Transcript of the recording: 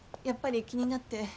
やっぱり気になって。